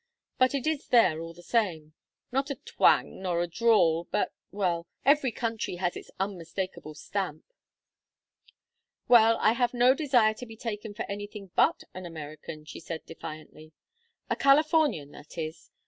But it is there all the same. Not a twang nor a drawl, but well every country has its unmistakable stamp." "Well, I have no desire to be taken for anything but an American," she said, defiantly. "A Californian, that is.